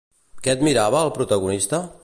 Què admirava al protagonista?